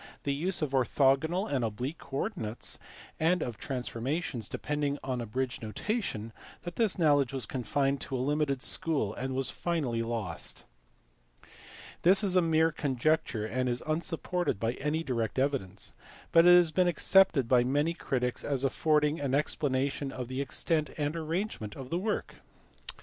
79 the use of orthogonal and oblique coordinates, and of transfor mations depending on abridged notation that this knowledge was confined to a limited school, and was finally lost. This is a mere conjecture and is unsupported by any direct evidence, but it has been accepted by many critics as affording an ex planation of the extent and arrangement of the work.